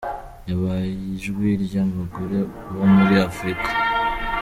Yabaye ijwi ry’abagore bo muri Afurika.